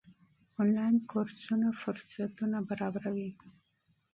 آنلاین کورسونه ډېر چانسونه برابروي.